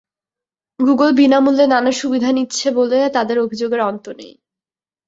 Google বিনা মূল্যে নানা সুবিধা নিচ্ছে বলে তাদের অভিযোগের অন্ত নেই।